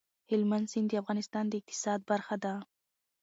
هلمند سیند د افغانستان د اقتصاد برخه ده.